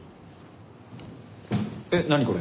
えっ何これ？